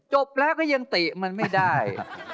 จบแล้วก็ยังติมันไม่ได้